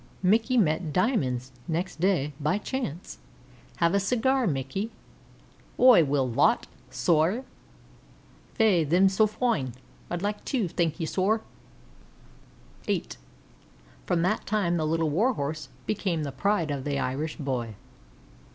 Mickey met "Diamonds" next day, by chance. "Have a cigar, Mickey." "Oi will thot, sor. Faix, thim's so foine; I'd loike two thank ye, sor." VIII From that time the Little Warhorse became the pride of the Irish boy.